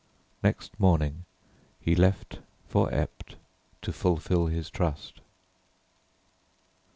Next morning he left for Ept to fulfil his trust.